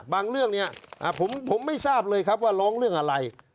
เรื่องนี้ผมไม่ทราบเลยครับว่าร้องเรื่องอะไร